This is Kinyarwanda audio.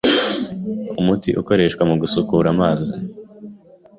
umuti ukoreshwa mu gusukura amazi